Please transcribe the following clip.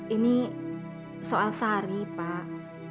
ini soal sari pak